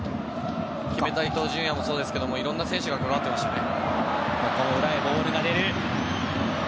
決めた伊東純也もそうですけどいろんな選手が関わってましたね。